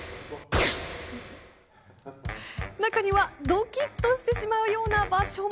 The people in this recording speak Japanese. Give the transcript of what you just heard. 中には、どきっとしてしまうような場所も。